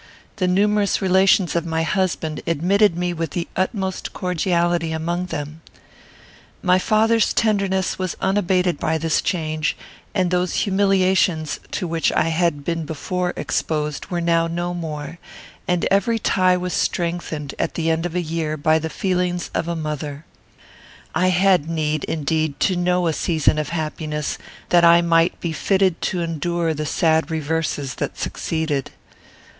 The numerous relations of my husband admitted me with the utmost cordiality among them. My father's tenderness was unabated by this change, and those humiliations to which I had before been exposed were now no more; and every tie was strengthened, at the end of a year, by the feelings of a mother. I had need, indeed, to know a season of happiness, that I might be fitted to endure the sad reverses that succeeded.